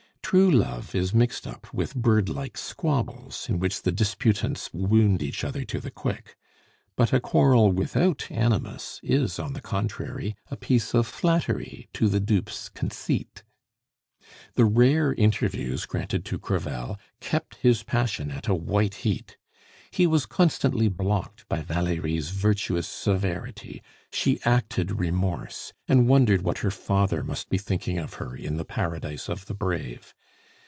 True love is mixed up with birdlike squabbles, in which the disputants wound each other to the quick; but a quarrel without animus is, on the contrary, a piece of flattery to the dupe's conceit. The rare interviews granted to Crevel kept his passion at white heat. He was constantly blocked by Valerie's virtuous severity; she acted remorse, and wondered what her father must be thinking of her in the paradise of the brave.